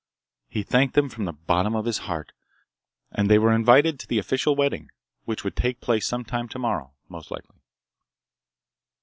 He thanked them from the bottom of his heart and they were invited to the official wedding, which would take place sometime tomorrow, most likely.